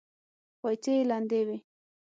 پايڅې يې لندې وې.